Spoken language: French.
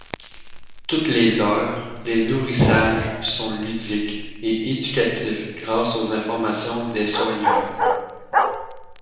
Toutes les heures, les nourrissages sont ludiques et éducatifs grâce aux informations des soigneurs.